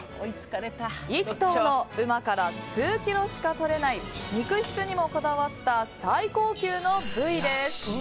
１頭の馬から数キロしか取れない肉質にもこだわった最高級の部位です。